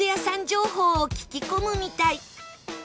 情報を聞き込むみたい